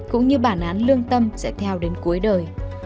cũng như bản án lương tâm sẽ theo đến cuối đời